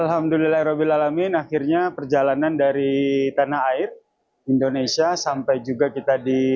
alhamdulillahirobbilalamin akhirnya perjalanan dari tanah air indonesia sampai juga kita di